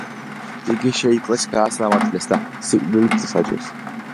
იგი შეიპყრეს, გაასამართლეს და სიკვდილით დასაჯეს.